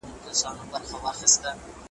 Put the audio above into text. د ښوونکو د استخدام پروسه تل شفافه نه وه.